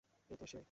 এই তো সে।